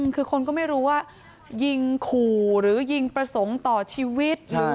คือคนก็ไม่รู้ว่ายิงขู่หรือยิงประสงค์ต่อชีวิต